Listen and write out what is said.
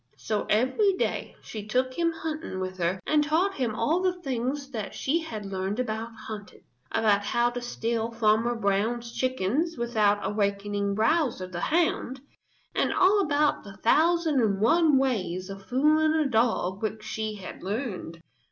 So every day she took him hunting with her and taught him all the things that she had learned about hunting: about how to steal Farmer Brown's chickens without awakening Bowser the Hound, and all about the thousand and one ways of fooling a dog which she had learned.